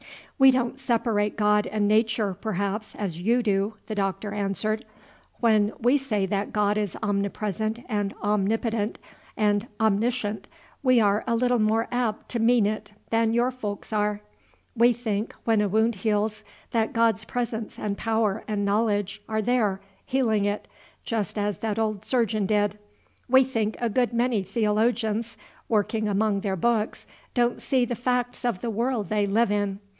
"We don't separate God and Nature, perhaps, as you do," the Doctor answered. "When we say that God is omnipresent and omnipotent and omniscient, we are a little more apt to mean it than your folks are. We think, when a wound heals, that God's presence and power and knowledge are there, healing it, just as that old surgeon did. We think a good many theologians, working among their books, don't see the facts of the world they live in.